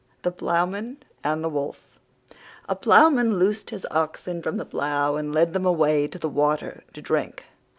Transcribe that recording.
THE PLOUGHMAN AND THE WOLF A Ploughman loosed his oxen from the plough, and led them away to the water to drink.